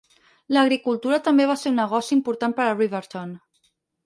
L'agricultura també va ser un negoci important per a Riverton.